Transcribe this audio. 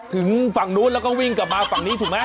ถึงฝั่งนู้นแล้วก็วิ่งกลับมาฝั่งนี้ถูกไหม